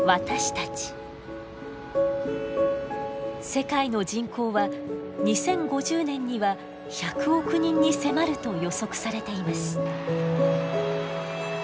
世界の人口は２０５０年には１００億人に迫ると予測されています。